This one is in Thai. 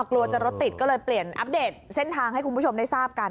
กลัวจะรถติดก็เลยเปลี่ยนอัปเดตเส้นทางให้คุณผู้ชมได้ทราบกัน